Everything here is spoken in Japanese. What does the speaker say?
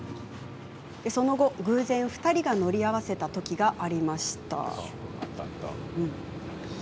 その後、偶然２人が乗り合わせたときがありました。